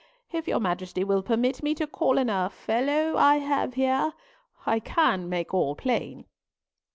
If your Majesty will permit me to call in a fellow I have here, I can make all plain."